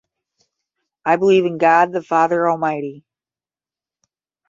I believe in God, the Father almighty